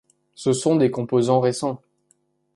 Ce sont des composants récents.